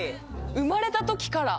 生まれた時から。